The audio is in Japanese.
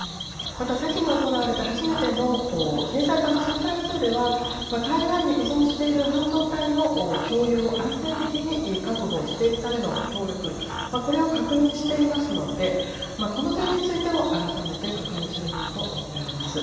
また、先に行われた初めての経済版２プラス２では台湾に依存している半導体の共有を安定的に確保していくための協力、これを確認していますので、この点についても、改めて確認するものと見られます。